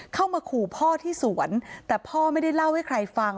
เข้ามาขู่พ่อที่สวนแต่พ่อไม่ได้เล่าให้ใครฟัง